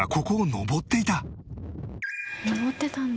「上ってたんだ」